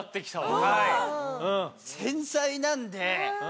繊細なんで。